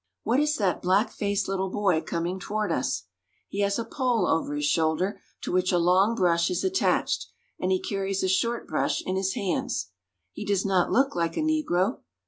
What is that black faced little boy coming toward us ? He has a pole over his shoulder to which a long brush is attached, and he carries a short brush in his hands. He does not look like a negro.